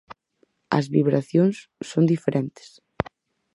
As vibracións son diferentes.